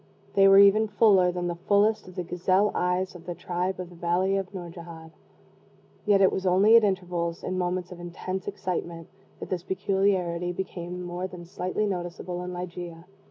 They were even fuller than the fullest of the gazelle eyes of the tribe of the valley of Nourjahad. Yet it was only at intervals in moments of intense excitement that this peculiarity became more than slightly noticeable in Ligeia.